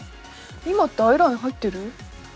今ってアイライン入ってる？